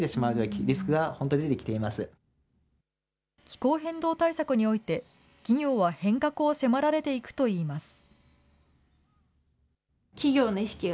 気候変動対策において、企業は変革を迫られていくといいます。